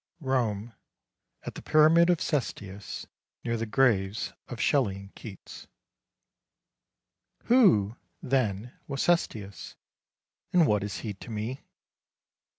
ROME AT THE PYRAMID OF CESTIUS NEAR THE GRAVES OF SHELLEY AND KEATS Who, then, was Cestius, And what is he to me?